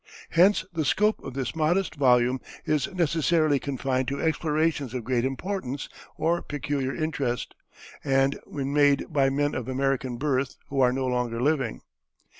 Hence the scope of this modest volume is necessarily confined to explorations of great importance or peculiar interest, and when made by men of American birth who are no longer living.